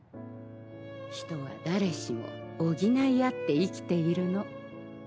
人は誰しも補い合って生きているの。